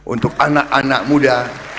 untuk anak anak muda